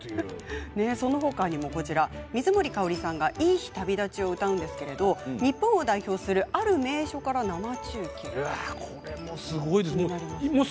水森かおりさんは「いい日旅立ち」を歌うんですけれど日本を代表する、ある名所から生中継ということです。